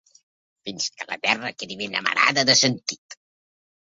Fins que la terra quedi ben amarada de sentit!